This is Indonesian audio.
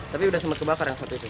tapi sudah sempat kebakar yang satu itu